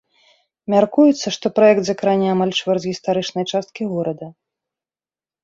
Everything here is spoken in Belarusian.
Мяркуецца, што праект закране амаль чвэрць гістарычнай часткі горада.